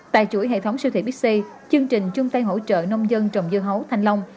tại chuỗi hệ thống siêu thị bixi chương trình chung tay hỗ trợ nông dân trồng dưa hấu thanh long